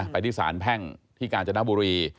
ไปที่สารแพ่งที่กาญจนบุรี